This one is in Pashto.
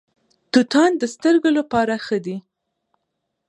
توتان د سترګو لپاره ښه دي.